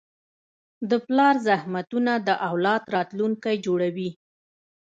د پلار زحمتونه د اولاد راتلونکی جوړوي.